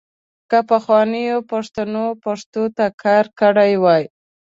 که پخوانیو پښتنو پښتو ته کار کړی وای .